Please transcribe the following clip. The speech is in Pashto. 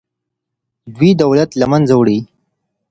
دوی دولت له منځه وړي.